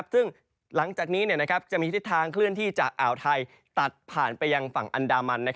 ซึ่งหลังจากนี้จะมีทิศทางเคลื่อนที่จากอ่าวไทยตัดผ่านไปยังฝั่งอันดามัน